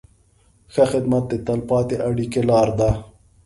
ښه خدمت د تل پاتې اړیکې لاره ده.